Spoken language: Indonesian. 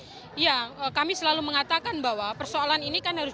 dibangun untuk menyemangati itu apa ya kami selalu mengatakan bahwa persoalan ini kan harus